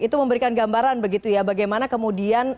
itu memberikan gambaran begitu ya bagaimana kemudian